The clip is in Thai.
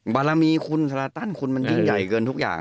บารมีคุณสลาตันคุณมันยิ่งใหญ่เกินทุกอย่าง